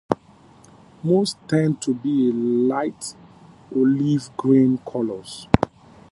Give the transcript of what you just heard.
Most tend to be of a light olive-green color.